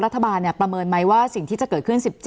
รัฐบาลเนี่ยประเมินไหมว่าสิ่งที่จะเกิดขึ้น๑๗